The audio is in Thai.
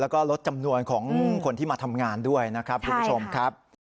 แล้วก็ลดจำนวนของคนที่มาทำงานด้วยนะครับคุณผู้ชมครับ